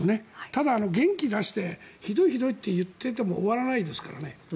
ただ、元気出してひどい、ひどいと言っていても終わらないですからね。